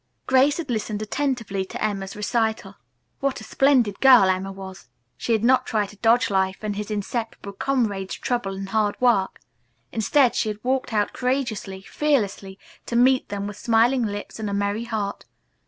Grace had listened attentively to Emma's recital. What a splendid girl Emma was! She had not tried to dodge Life and his inseparable comrades, Trouble and Hard Work. Instead, she had walked out courageously, fearlessly, to meet them with smiling lips and a merry heart.